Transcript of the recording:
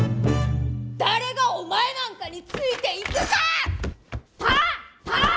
誰がお前なんかについていくかあ！